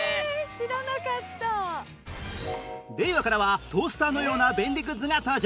令和からはトースターのような便利グッズが登場